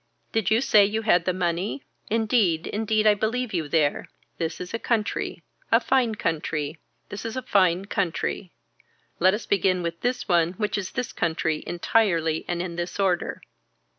Did you say you had the money. Indeed indeed I believe you there. This is a country. A fine country. This is a fine country. Let us begin with this one which is this country entirely and in this order.